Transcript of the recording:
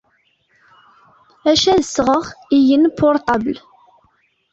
Acca ad sɣeɣ iggen portabel.